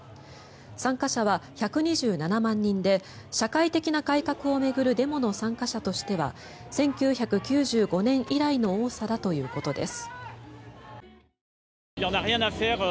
参加者は１２７万人で社会的な改革を巡るデモの参加者としては１９９５年以来の多さだということです。